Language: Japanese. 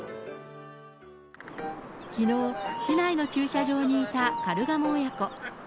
きのう、市内の駐車場にいたカルガモ親子。